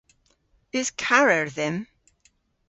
Eus karer dhymm?